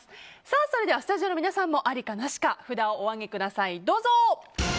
それではスタジオの皆さんもありかなしか札をお上げください、どうぞ。